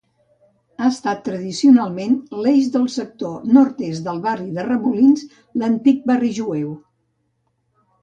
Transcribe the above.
Ha estat tradicionalment l'eix del sector nord-est del barri de Remolins, l'antic barri jueu.